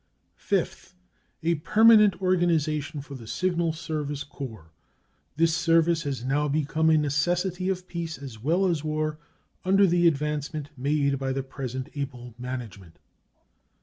Fifth. A permanent organization for the Signal Service Corps. This service has now become a necessity of peace as well as war, under the advancement made by the present able management.